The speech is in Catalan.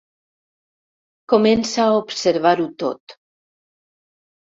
Comença a observar-ho tot.